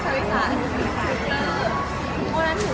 ความรักที่หนูอยากได้